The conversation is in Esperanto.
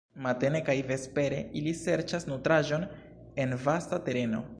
Matene kaj vespere ili serĉas nutraĵon en vasta tereno.